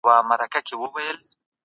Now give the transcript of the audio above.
سياستوال تل د پېښو په اړه بحث کوي.